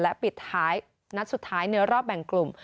และปิดท้ายนัดสุดท้ายในรอบแบ่งกลุ่ม